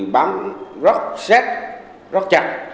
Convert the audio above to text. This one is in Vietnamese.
bám rất chắc